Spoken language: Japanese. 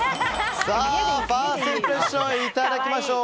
ファーストインプレッションいただきましょう。